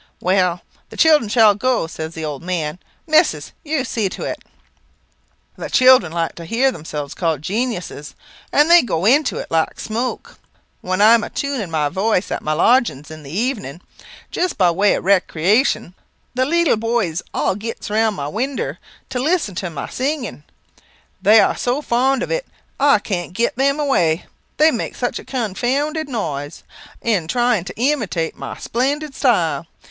"'Well, the children shall go,' says the old man. 'Missus, you see to it.' "The children like to hear themselves called genuses, and they go into it like smoke. When I am tuning my voice at my lodgings in the evening, just by way of recreation, the leetle boys all gets round my winder to listen to my singing. They are so fond of it I can't get them away. They make such a confounded noise, in trying to imitate my splendid style.